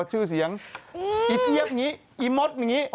ชื่อเสียงอิเทียบแบบนี้อิมดแบบนี้